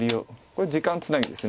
これ時間つなぎです